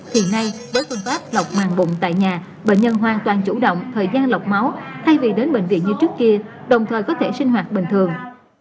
hiện nay với phương pháp lọc màng bụng tại nhà bệnh nhân hoàn toàn chủ động thời gian lọc máu thay vì đến bệnh viện như trước kia đồng thời có thể sinh hoạt bình thường